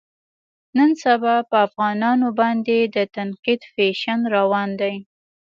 نن سبا په افغانانو باندې د تنقید فیشن روان دی.